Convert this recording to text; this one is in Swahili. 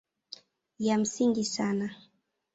Ya msingi sana